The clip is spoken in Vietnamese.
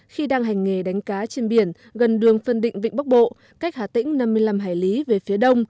khi đang hành nghề đánh cá trên biển gần đường phân định vịnh bắc bộ cách hà tĩnh năm mươi năm hải lý về phía đông